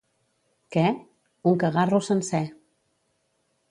—Què? —Un cagarro sencer.